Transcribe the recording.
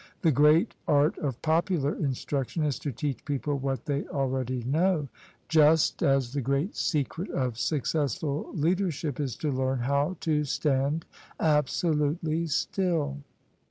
The great art of popular instruction is to teach people what they already know: just as the great secret of successful leadership is to learn how to stand absolutely still."